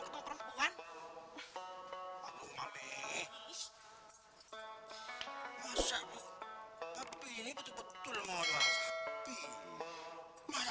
tapi mau kemana sih